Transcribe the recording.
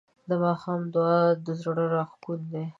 د ماښام دعا د زړه سکون دی.